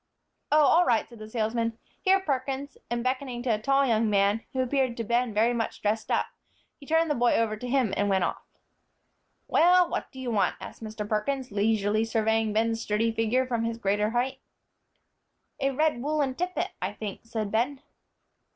"Oh, all right," said the salesman; "here, Perkins," and beckoning to a tall young man, who appeared to Ben very much dressed up, he turned the boy over to him, and went off. "Well, what do you want?" asked Mr. Perkins, leisurely surveying Ben's sturdy figure from his greater height. "A red woollen tippet, I think," said Ben.